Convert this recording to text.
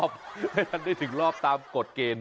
ไม่ทันได้ถึงรอบตามกฎเกณฑ์